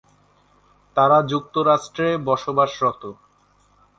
তারা যুক্তরাষ্ট্রে বসবাসরত।